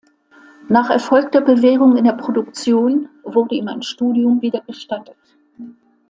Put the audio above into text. Nach erfolgter Bewährung in der Produktion wurde ihm ein Studium wieder gestattet.